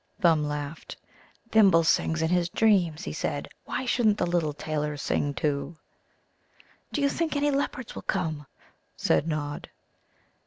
Thumb laughed. "Thimble sings in his dreams," he said. "Why shouldn't the little tailors sing, too?" "Do you think any leopards will come?" said Nod.